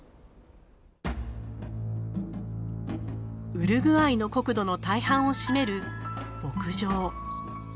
ウルグアイの国土の大半を占める牧場。